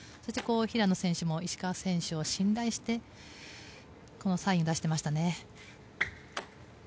平野選手も石川選手を信頼してこのサインを出してましたね。